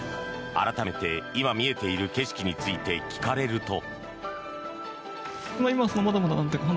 改めて今見えている景色について聞かれると。